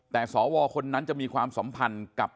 แต่สวคนนั้นจะมีความสัมพันธ์กับ